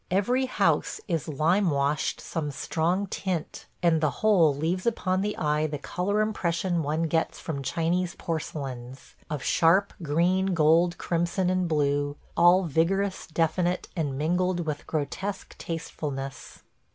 Every house is lime washed some strong tint, and the whole leaves upon the eye the color impression one gets from Chinese porcelains – of sharp green, gold, crimson, and blue; all vigorous, definite, and mingled with grotesque tastefulness.